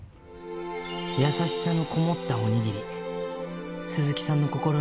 優しさのこもったおにぎり。